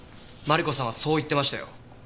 マリコさんはそう言ってましたよ。